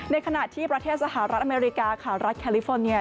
ในขณะที่ประเทศสหรัฐอเมริกาค่ะรัฐแคลิฟอร์เนีย